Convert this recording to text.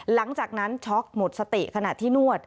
หลังจากนั้นช็อกหมดสติขณะที่นวด